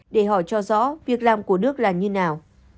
để họ cho rõ việc làm của đức là như nào